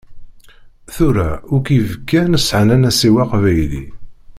Tura akk ibenkan sεan anasiw aqbayli.